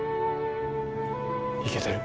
いけてる。